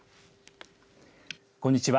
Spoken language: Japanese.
こんにちは。